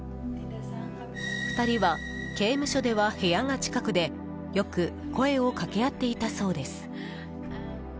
２人は刑務所では部屋が近くでよく声を掛け合っていたそうです。